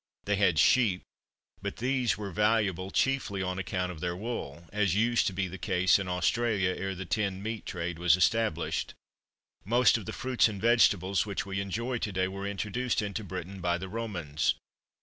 They had sheep, but these were valuable chiefly on account of their wool; as used to be the case in Australia, ere the tinned meat trade was established. Most of the fruits and vegetables which we enjoy to day were introduced into Britain by the Romans.